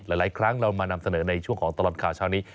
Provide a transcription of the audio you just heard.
หลายครั้งเรามานำเสนอในช่วงของตลอดข่าวเช้านี้